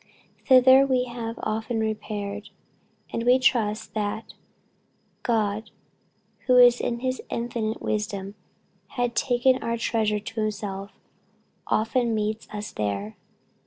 Thither we have often repaired; and we trust that God, who in his infinite wisdom had taken our treasure to himself, often meets us there."